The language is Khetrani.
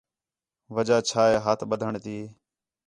وجہ چھا ہے ہتھ ٻدّھݨ تی